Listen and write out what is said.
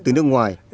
từ nước ngoài